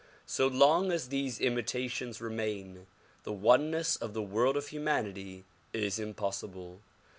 So long as these imitations remain the oneness of the world of humanity is impossible.